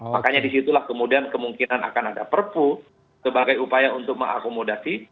makanya disitulah kemudian kemungkinan akan ada perpu sebagai upaya untuk mengakomodasi